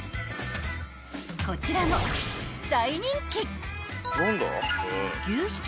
［こちらも大人気］